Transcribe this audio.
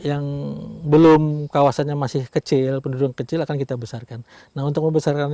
yang belum kawasannya masih kecil penduduk kecil akan kita besarkan nah untuk membesarkan